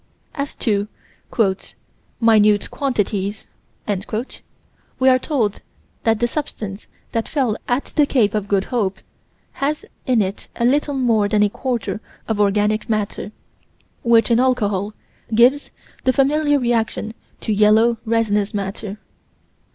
As to "minute quantities" we are told that the substance that fell at the Cape of Good Hope has in it a little more than a quarter of organic matter, which, in alcohol, gives the familiar reaction of yellow, resinous matter.